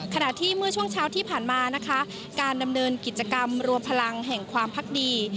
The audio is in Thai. ขณะที่เมื่อช่วงเช้าที่ผ่านมานะคะการดำเนินกิจกรรมรวมพลังแห่งความพักดี